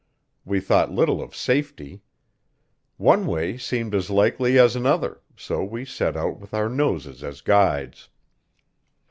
We thought little of safety. One way seemed as likely as another, so we set out with our noses as guides.